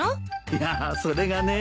いやそれがね。